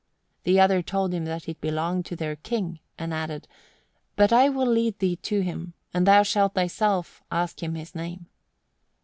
The other told him that it belonged to their king, and added, "But I will lead thee to him, and thou shalt thyself ask him his name."